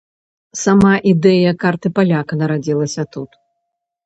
Сама ідэя карты паляка нарадзілася тут.